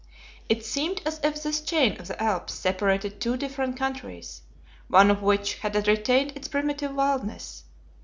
It seemed as if this chain of the Alps separated two different countries, one of which had retained its primitive wildness.